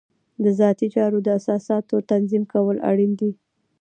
د ذاتي چارو د اساساتو تنظیم کول اړین دي.